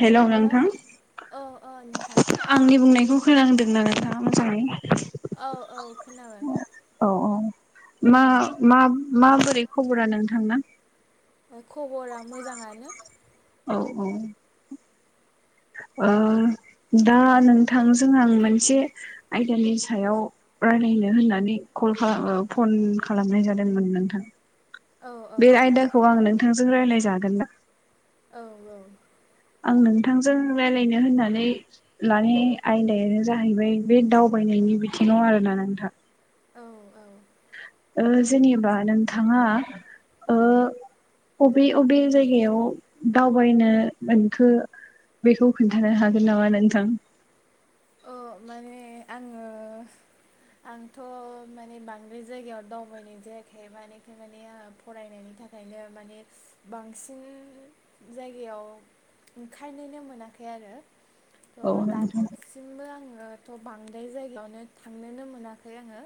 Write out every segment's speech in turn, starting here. Hello, नोंथां औ नोंथां आंनि बुंनायखौ खोनाहांदों ना नोंथांङा मोजांङै औ औ खोनाबाय औ औ मा मा माबोरै खबरा नोंथांना खबरा मोजाङानो औ औ ओ दा नोंथांजों आं मोनसे आयदानि सायाव रायलायनो होननानै कल खालाम ओ फन खालामनाय जादोंमोन नोंथां औ औ बे औ आयदाखौ आं नोंथांजों रायलायजागोन ना औ औ नोंथांजों राय्लायनो होननानै लानाय आयदायानो जाहैबाय बे दावबायनायनि बिदि नो आरोना नोंथां औ औ जेनेबा नोंथाङा ओ बबे बबे जायगायाव दावबायनो मोनखो? बेखौ खोन्थानो हागोन नामा नोंथां? औ माने आङो आंथ' माने बांद्राय जायगायाव दावबायनाय जायाखै माने आफाय माने आंहा फरायनायनि थाखायनो माने बांसिन जायगायाव ओंखायननो मोनाखै आरो औ थ' नोंथां दासिमबो आङोथ' बांद्राय जायगायावनो थांनोनो मोनाखै आङो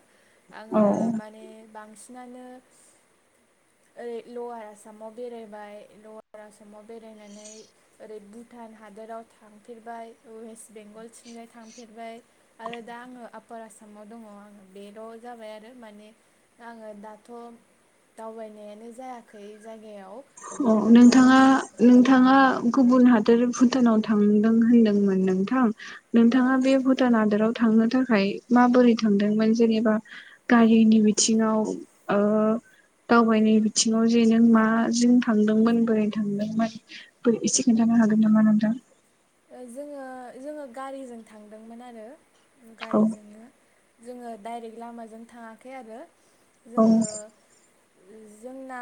औ आङो माने बांसिनानो [inaudible] ओरै लवार आसामाव बेरायबाय लवार आसामाव बेरायनानै ओरै भुटान हाद हादोराव थांफेरबाय वेस्ट बेंगल थांफेरबाय आरो दा आङो आफपार आसामाव दङ आङो बेल' जाबाय आरो माने आङो दाथ' दावबायनायानो जायाखै जाय औ नोंथाङा नोंथाङा गुबुन हादोर भुटानाव थांदों होनदोंमोन नोंथां नोंथाङा औ बे भुटान हादोराव थांनो थाखाय माबोरै थांदोंमोन जेनेबा गारिनि बिथिङाव ओ दावबायनाय बिथिङाव जे नों मा जों थांदोंमोन बोरै थांदोंमोन एसे खिन्थानो हागोन नामा नोंथां? जोङो जोङो गारिजों थांदोंमोन आरो औ गारिजोंनो- जोङो दाइरेक्ट लामाजों थाङाखै आरो औ जोङो [inaudible] जोंना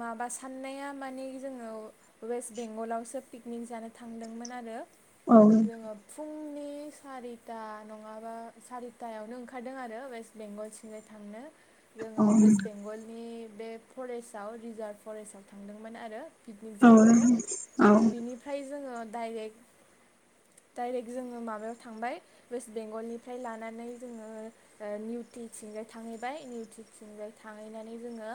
माबा साननाया मानि जोङो वेस्ट बेंगलावसो पिकनिक जा थांदोंमोन आरो जोंङो फुं [inaudible] सारिथा नङाबा सारिथायावनो ओंखारदों आरो वेस्ट बेंगलथिंजाय थांनो जोंओ अयेस्त औ बेंगलनि बे फरेसाव रिजार्व फरेस्ताव थांदोंमोन आरो पिकनिक औ औ जाहैनो बिनिफ्राय जोंओ डायरेक्ट [inaudible] डाइरेक्ट जोङो माबायाव थांबाय अयेस्त बेंगलनिफ्राय लानानै जोंनो ओ निउतिनसिम थांहैबाय निउटिसिंजाय थांहैनानै जोङो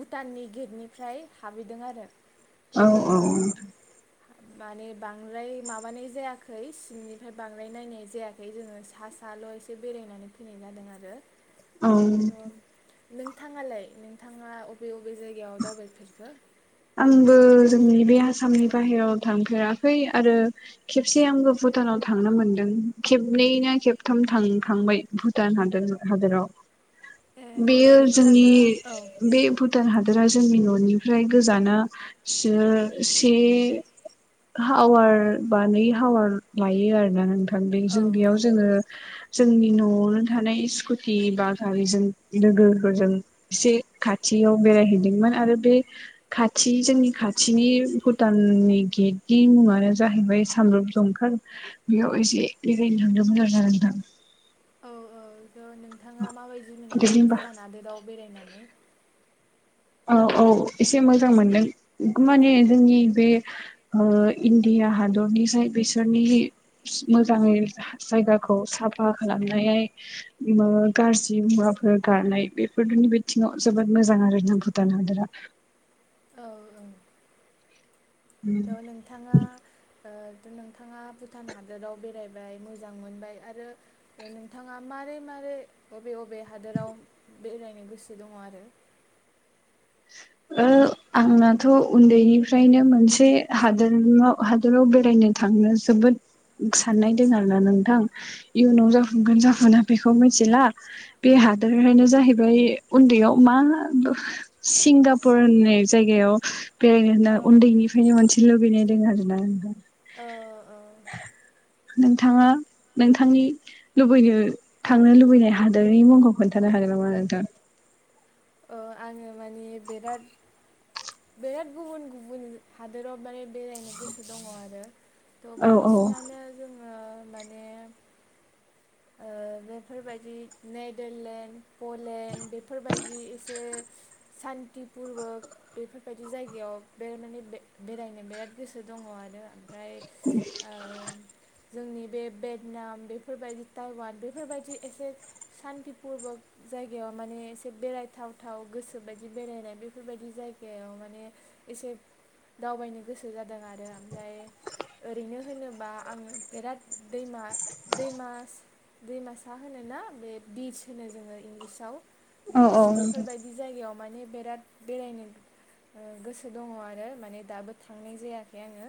भुटाननि गेटनिफ्राय हाबहैदों आरो औ थ' औ जोङो माने बांद्राय माबानाय जायाखै सिंनिफ्राय बांद्राय नायनाय जायाखै जोङो सा साल' एसे बेरायनानै फैनाय जादों आरो औ थ' नों थाङालाय नों थाङा बबे बबे जायगायाव दावबायफेरखो? आंबो जोंनि बे आसामनि बाहेरायाव थांफेराखै आरो खेबसे आंबो भुटानाव थांनो मोनदों खेबनैनो खेबथाम थांखांबाय भुटान हाद हादोराव ए बेयो थ' जोंनि नोंथाङा औ बे भुटान हादरा जोंनि न'निफ्राय गोजाना से हावार बानाय हावार लायो आरोना नोंथां औ जों बेयाव औ जोङो जोंनि न'आवनो थानाय स्कुटि बा गारिजों लोगोफोरजों एसे खाथि याव बेरायहैदोंमोन आरो बे खाथि जोंनि खाथिनि भुटाननि गेटनि मुङानो जाहैबाय सामब्रुप जंखा बेयाव एसे बेरायनो थांदोंमोन आरो ना नोंथां। औ औ' नोंथाङा माबायदि दे मोनखो होमबा भुटान हादोराव बेरायनानै। औ औ एसे मोजां मोनदों माने जोंनि बे ओ- इण्डिया हादर। बिनिसाय बिसोरनि मोजाङै जायगाखौ साफा खालामनाय। गाज्रि मुवाफोर गानाय बेफोरनि बिथिङाव जोबोद मोजां आरो ना। भुटान हादोरा। औ हेल' नोंथाङा। ओ [inaudible] नोंथाङा भुटान हादोराव बेरायबाय मोजां मोनबाय आरो नोंथाङा मारै मारै? बबे बबे हादोराव बेरायनो गोसो दङ आरो? [inaudible] ओ-आंनाथ' उन्दैनिफ्रायनो मोनसे हादोराव हादोराव बेरायनो थाङ [unintelligible] जोबोद साननाय दं आरोना नोंथां इयुनाव जाफुंगोन जाफुङा बेखौ मिथिला। हादोरनो जाहैबाय उन्दैयाव मा? सिंगापुर होननाय जायगायाव बेरायनो होनना औ उन्दैनिफ्रायनो मोनसेनो लुबैनाय दं आरोना आंना। ओ- नोंथाङा नोंथांनि। लुबैनो थांनो लुबैनाय हादोरनि मुंखौ खोन्थानो हागोन नामा नोंथां? अ आङो माने बिराद। बिराद गुबुन गुबुन हादोराव माने बेरायनो गोसो दङ आरो। थ' औ बांसिनानो जोङो माने। ओ-बेफोरबायदि नेडारलेण्ड पलेण्ड बेफोरबायदि एसे। सान्ति पुरवक बेफोरबायदि जायगायाव बे माने बे बेरायनो बिराद गोसो दं। दङ आरो ओमफ्राय ओ-जोंनि बे भेटनाम बेफोरबायदि। टाइवान बेफोरबायदि एसे सान्त पुरबक जायगायाव माने एसे बेरायथावथाव। गोसोबायदि बेरायनाय बेफोरबायदि जायगायाव माने एसे। दावबायनो गोसो जादों आरो ओमफ्राय। ओरैनो होनोबा आङो बिराद दैमा दैमा। दैमासा होनोना बे बिस होनो जोङो इंलिसआव। औ बिच औ नोंथां बेफोरबायदि जायगायाव माने। बेराद बेरायनो ओ-गोसो दङ आरो माने दाबो थांनाय जायाखै आङो।।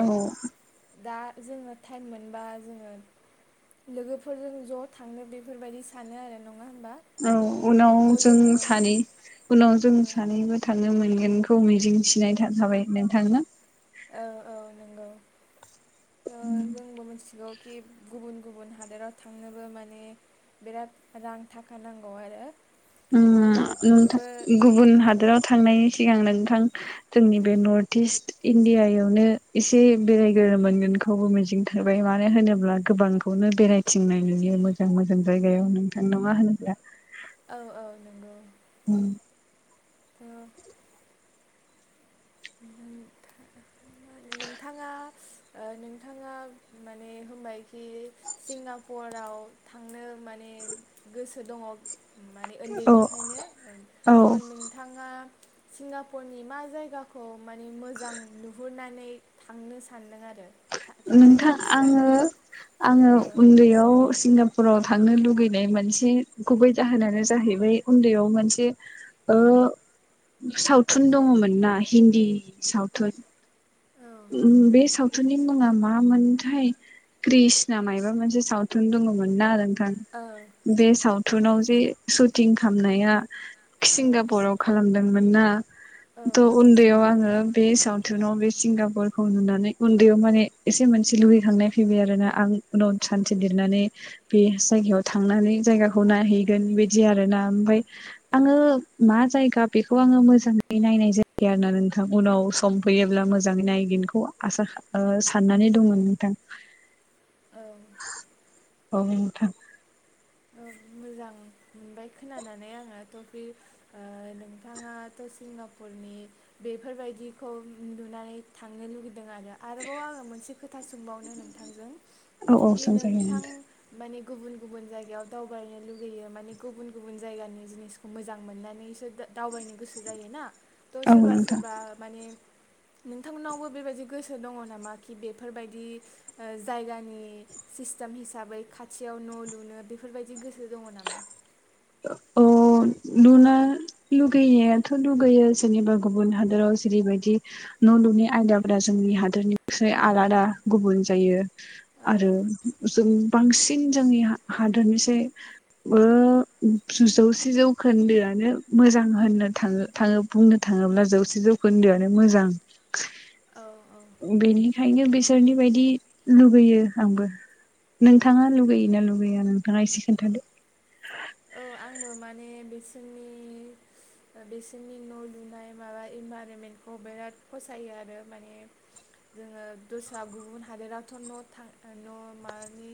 औ जोङो टाइम मोनबा जोङो। लोगोफोरजों ज' थांनो बेफोरबायदि सानो आरो ना। औ उनाव जों सानै उनाव जों ओ सानैबो थांनो मोनगोन। खौ मिजिंथिनाय थाखाबाय नोंथां ना? औ औ नंगौ थ' जोंबो मिथिगौ खि गुबुन गुबुन हादोराव थांनोबो माने बिराद रां थाखा नांगौ आरो। थ' बेफोरबो नोंथां गुबुन ओ हादोराव थांनायनि सिगां नोंथां जोंनि बे नर्थ इस्ट इण्डियायावनो एसे बेरायग्रोनो मोनगोनखौबो मिजिं थिबाय मानो होनोब्ला गोबांखौनो बेरायथिंनाय नुयो मोजां मोजां जायगायाव नोंथां नङा होनब्ला? औ औ नंगौ उम। [unintelligible] नोंथाङा। ओ-नोंथाङा माने होनबायखि सिंगापुराव थांनो। माने गोसो दङ। माने औ उन्दैनिफ्रायनो औ थ' नोंथाङा। सिंगापुरनि मा जायगाखौ? खौ माने मोजां नुहुरनानै थांनो सान्दों आरो? थांनो नोंथां थांखि आङो लादों आङो औ उन्दैयाव सिंगा फोराव थांनो लुुबैनाय मोनसे गुबै जाहोनानो जाहैबाय उन्दैयाव मोनसे सावथुन दङमोन ना हिन्दी सावथुन औ बे सावथुननि मुङा मामोनथाय? कृषना मायबा मोनसे सावथुन दङमोन ना आरो बे सावथुनाव जे सुटिं खालामनाया सिंगापुराव खालामदोंमोन ना औ थ' उन्दैयाव आङो बे सावथुनाव बे सिंगाब फुटबल खौ नुनानै उन्दैयाव माने एसे मोनसे लुगैखांनाय फैबाय आरो ना आं उनाव सानसे देरनानै बे जायगायाव थांनानै जायगाखौ नायहैगोन बेबायदि आरो ना ओमफ्राय आङो मा जायगा बेखौ आङो मोजाङै नायनाय जायो आरोना नोंथां उनाव सम फैयोब्ला मोजाङै नाय साननानै दंमोन नोंथां औ [inaudible] मोजां मोनबाय खोनानानै आङो थ बज नोंथाङा बेफोरबायदिखौ नुनानै थांनो लुबै आरोबाव आङो मोनसे खोथा सोंबावनो नोंथांजों औ औ बे सोंजायो नोंथां माने गुबुन गुबुन जायगायाव दावबायनो लुुबैयो माने गुबुन गुबुन जायगानि जिनिसखौ मोजां मोननानैसो दावबायनो गोसो जायो ना थ' औ सोरबा नोंथां सोरबा माने नोंथांमोनावबो बेबायदि गोसो दङ नामा कि बेफोरबायदि जायगानि सिस्टेम हिसाबै खाथियाव न' लुनो बेफोरबायदि गोसो दङ नामा? अ लुनो लुगैनायाथ' लुगैयो जेनबा गुबुन हादराव जेरैबायदि न' लुनाइ आयदाफोरा जोंनि हादोरनिफ्राइ आलादा गुबुन जायो। औ आरो जों बांसिन जोंनि हादोरनिसै जौसे जौखोन्दोआनो मोजां होननो थाङ थाङ बुंनो थाङोब्ला जौसे जौ खोन्दोआनो मोजां औ औ बेनिखायनो बिसोरनि बायदि लुुबैयो आंबो नोंथाङा लुगैयोना लुगैया नोंथाङा एसे खोन्थादो औ आंबो माने बिसोरनि बिसोरनि न' लुनाय माबा इनभाररनमेन्टखौ बिराद फसायो आरो माने जोङो दस्रा गुबुन हादोरावथ' न' थ न' मानि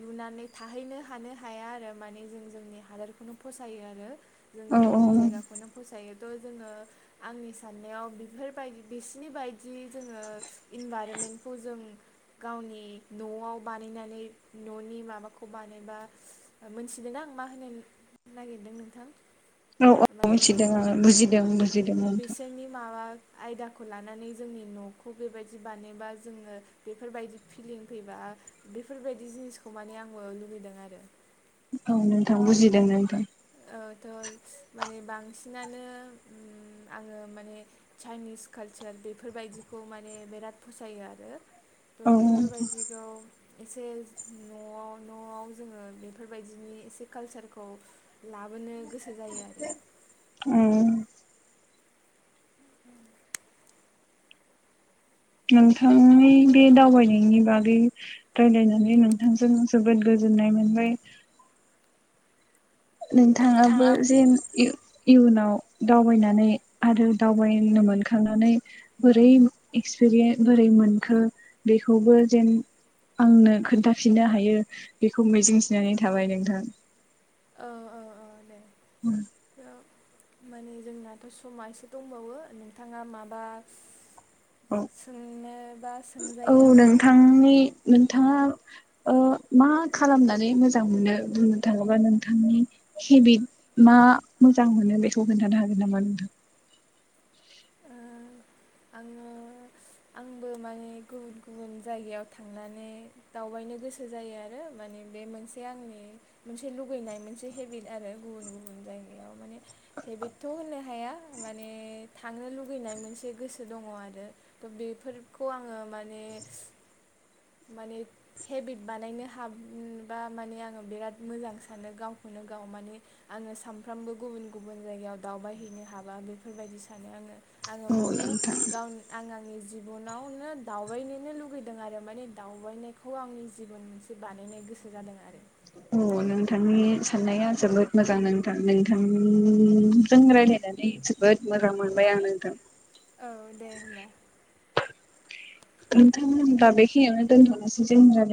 लुनानै थाङ थाहैनो हानो हाया आरो माने जों जोंनि हादोरखौनो फसायो आरो जों औ औ जोंनि जायगाखौ खौनो फसायोथ' जोङो आंनि साननायाव बेफोरबायदि बिसिनि बायदि जोङो इनभाइरनमेन्टखौ जों गावनि न'आव बानायनानै न'नि माबाखौ बानायोबा मोनथिदों आं मा होनो नागिरदों नोंथां? औ औ माने मिथिदों आङो बुजिदों बुजिदों नोंथां बिसोरनि माबा आयदाखौ लानानै जोंनि न'खौ बेबायदि बानायबा जोङो बेफोरबायदि फिलिं फैबा बेफोरबायदि जिनिसखौ माने आङो लुबैदों आरो औ नोंथां बुजिदों नोंथां थ' माने बांसिनानो आङो माने चाइनिस कालचार बेफोरबायदिखौ माने बिराद फसायो आरो औ थ' बेफोरबायदिखौ एसे न'आव न'आव जोङो बेफोरबायदिनि एसे कालचारखौ लाबोनो गोसो जायो आरो औ नोंथांनि बे दावबायनायनि बागै राय्लायनानै नोंथांजों जोबोद गोज मोनबाय नोंथाङाबो नोंथाङा जे इयुनाव दावबायनानै आरो दावबायनो मोनखांनानै बोरै एक्सप बोरै मोनखो बेखौबो जेन आंनो खोन्थाफिननो हायो बेखौ मिजिं थिनानै थाबाय नोंथां। ओ ओ ओ दे। उम। माने जोंनाथ समा एसे दंबावो नोंथांङा माबा। औ सोंनोबा सोंजायो आंखौ। थांङा ओ मा खालामनानै मोजां मोनो बुंनोथांङोबा नोंथांनि। गिबिद मा मोजां मोनो बेखौ खोन्थानो हागोन नामा नोंथां। आंङो आंबो माने गुबुन गुबुन जायगायाव थांनानै दावबायनो। गोसो जायो आरो माने बे मोनसे आंनि मोनसे लुगैनाय मोनसे हेबिट आरो गुबुन गुबुन। जायगायाव माने हेबिटथ होननो हाया माने थांनो लुुगैनाय मोनसे गोसो। दंङ आरो थ बेफोरखौ आंङो माने। माने हेबिट बानायनो हाब उम्मबा माने आंङो बेराद मोजां सानो गाव। खोनो गाव माने आंङो सामफ्रामबो गुबुन गुबुन जायगायाव दावबायहैनो हाबा बेफोरबायदि सानो आं। ओ आंङो औ माने। नोंथां गावन आं आंनि जिबनावनो दावबायनोनो लुगैदों आरो माने दावबायनायखौ आंनि। जिबन मोनसे बानायनो गोसो जादों आरो। औ नोंथांनि साननाया जोबोद मोजां नोंथां नोंथां जों रायलायनानै जोबो। जोबोद मोजां मोनबाय आं नोंथां। औ दे होमबा। नोंथां होमबा बेखिनियावनो दोनथनोसै जोंङो आरो।